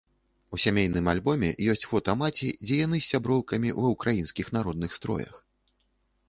У сямейным альбоме ёсць фота маці, дзе яны з сяброўкамі ва ўкраінскіх народных строях.